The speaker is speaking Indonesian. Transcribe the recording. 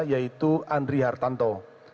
yaitu andri hartanto